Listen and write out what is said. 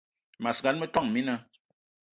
Mas gan, metόn mina